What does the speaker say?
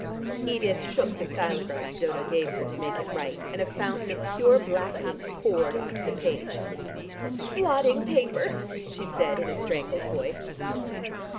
Edith shook the stylograph Dodo gave her to make it write, and a fountain of pure black ink poured on to the page. "Blotting paper," she said in a strangled voice.